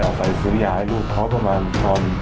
ออกไปซื้อรียายนลูกเขาประมาณตอน